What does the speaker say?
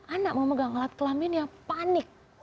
anak memegang alat kelamin yang panik